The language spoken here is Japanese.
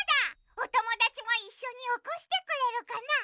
おともだちもいっしょにおこしてくれるかな？